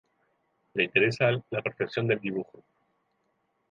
Le interesa la perfección del dibujo.